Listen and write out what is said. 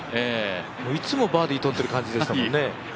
いつもバーディーとってる感じでしたもんね。